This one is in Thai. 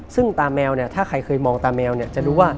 ซึ่งตาแมวเนี่ยถ้าใครเคยมองตาแมวเนี่ยจะรู้ว่า